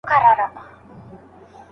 آیا ارواپوهنه تر ټولنپوهني شخصي ده؟